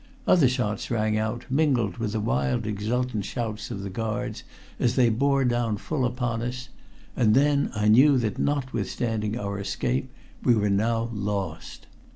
Other shots rang out, mingled with the wild exultant shouts of the guards as they bore down full upon us, and then I knew that, notwithstanding our escape, we were now lost.